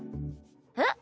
えっ？